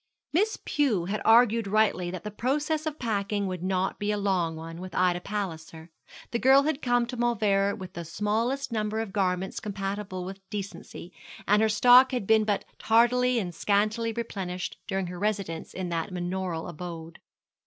Miss Pew had argued rightly that the process of packing would not be a long one with Ida Palliser. The girl had come to Mauleverer with the smallest number of garments compatible with decency; and her stock had been but tardily and scantily replenished during her residence in that manorial abode.